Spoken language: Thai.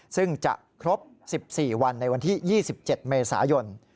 ซึ่งจะครบ๑๔วันในวันที่๒๗เมษายน